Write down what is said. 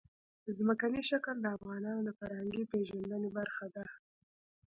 ځمکنی شکل د افغانانو د فرهنګي پیژندنې برخه ده.